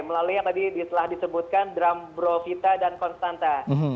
melalui yang tadi telah disebutkan drambrovita dan konstanta